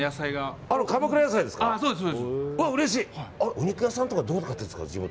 お肉屋さんとかどこで買ってるんですか？